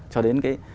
cho đến cái